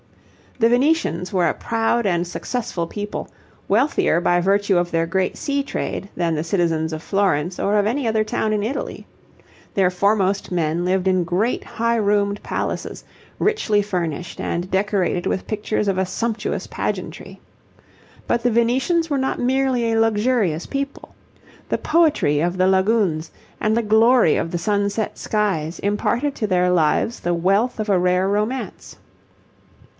The Venetians were a proud and successful people, wealthier by virtue of their great sea trade than the citizens of Florence or of any other town in Italy; their foremost men lived in great high roomed palaces, richly furnished, and decorated with pictures of a sumptuous pageantry. But the Venetians were not merely a luxurious people. The poetry of the lagoons, and the glory of the sunset skies, imparted to their lives the wealth of a rare romance.